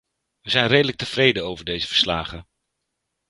We zijn redelijk tevreden over deze verslagen.